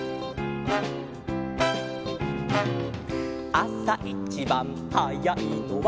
「あさいちばんはやいのは」